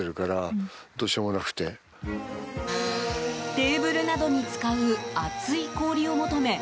テーブルなどに使う厚い氷を求め